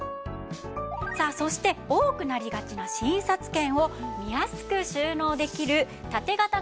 さあそして多くなりがちな診察券を見やすく収納できる縦型カードポケット。